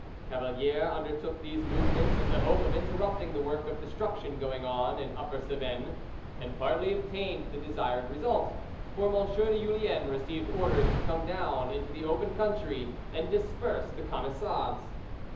Cavalier undertook these movements in the hope of interrupting the work of destruction going on in Upper Cevennes; and partly obtained the desired result; for M. de Julien received orders to come down into the open country and disperse the Camisards.